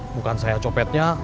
bukan saya copetnya